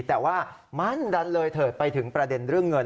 แต่ว่ามันดันเลยเถิดไปถึงประเด็นเรื่องเงิน